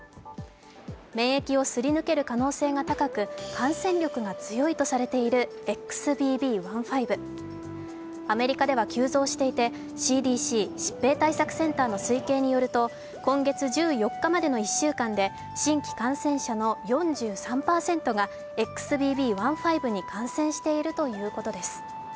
免疫をすり抜ける可能性が高く、感染力が強いとされているＸＢＢ．１．５アメリカでは急増していて、ＣＤＣ＝疾病対策センターの推計によると今月１４日までの１週間で新規感染者の４３％がＸＢＢ．１．５に感染しているということです。